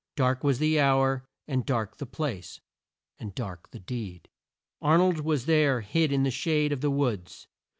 Dark was the hour, and dark the place, and dark the deed. Ar nold was there hid in the shade of the woods.